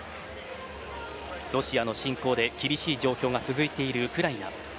ロシアの侵攻で厳しい状況が続いているウクライナ